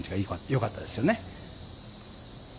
よかったですね。